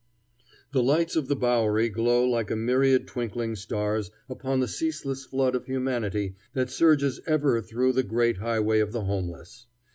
The lights of the Bowery glow like a myriad twinkling stars upon the ceaseless flood of humanity that surges ever through the great highway of the homeless.